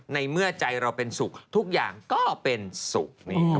ในเมื่อใจเราเป็นสุขทุกอย่างก็เป็นสุข